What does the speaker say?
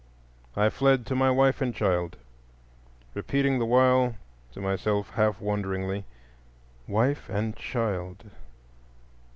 I fled to my wife and child, repeating the while to myself half wonderingly, "Wife and child?